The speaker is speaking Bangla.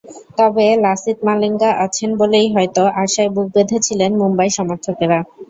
তবে লাসিথ মালিঙ্গা আছেন বলেই হয়তো আশায় বুক বেঁধেছিলেন মুম্বাই সমর্থকেরা।